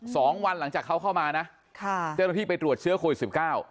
สองวันหลังจากเขาเข้ามานะค่ะเจ้าหน้าที่ไปตรวจเชื้อโควิดสิบเก้า